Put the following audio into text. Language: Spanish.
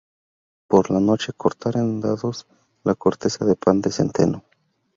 Por la noche, cortar en dados la corteza de pan de centeno.